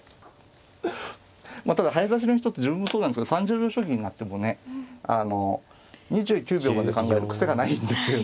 まあただ早指しの人って自分もそうなんですけど３０秒将棋になってもねあの２９秒まで考える癖がないんですよね。